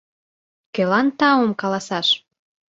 — Кӧлан таум каласаш?